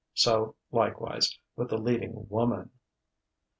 So, likewise, with the leading woman....